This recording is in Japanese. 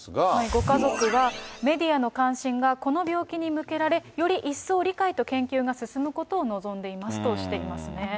ご家族は、メディアの関心がこの病気に向けられ、より一層理解と研究が進むことを望んでいますとしていますね。